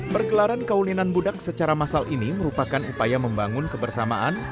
pergelaran kaulinan budak secara massal ini merupakan upaya membangun kebersamaan